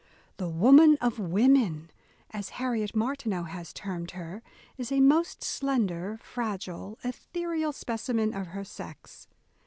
The woman of women," as Harriet Mar tineau has termed her, is a most slender, fragile, ethereal specimen of her sex.